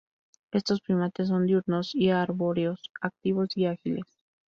Estos primates son diurnos y arbóreos, activos y ágiles.